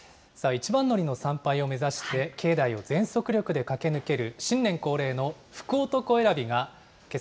こうした場所を通して、社会の理一番乗りの参拝を目指して、境内を全速力で駆け抜ける新年恒例の福男選びがけさ